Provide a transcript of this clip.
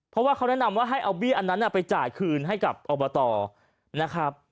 เพราะว่าเขาแนะนำว่าให้เอาเบี้ยอันนั้นไปจ่ายคืนให้กับอบตนะครับ